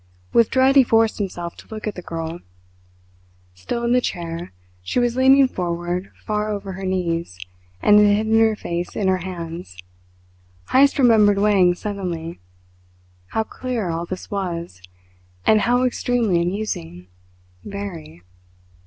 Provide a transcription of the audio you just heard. With dread he forced himself to look at the girl. Still in the chair, she was leaning forward far over her knees, and had hidden her face in her hands. Heyst remembered Wang suddenly. How clear all this was and how extremely amusing! Very.